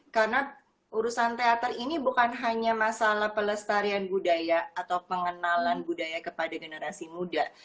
karena urusan teater ini bukan hanya masalah pelestarian budaya atau pengenalan budaya kepada generasi muda